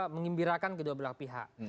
mengimbirakan kedua belah pihak